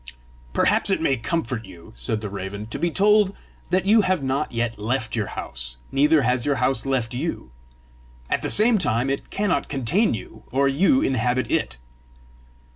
"Perhaps it may comfort you," said the raven, "to be told that you have not yet left your house, neither has your house left you. At the same time it cannot contain you, or you inhabit it!"